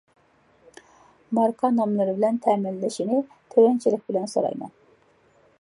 ماركا نامىلىرى بىلەن تەمىنلىشىنى تۆۋەنچىلىك بىلەن سورايمەن.